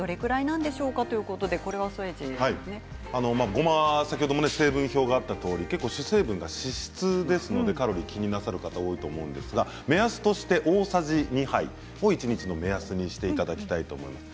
ごま、先ほど成分表があったとおり主成分が脂質ですのでカロリー気になさる方多いと思うんですが目安として大さじ２杯を一日の目安としていただきたいと思います。